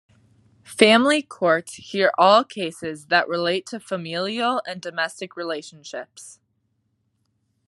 Family courts hear all cases that relate to familial and domestic relationships.